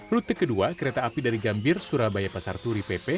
rute kedua kereta api dari gambir surabaya pasar turi pp